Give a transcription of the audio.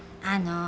あの。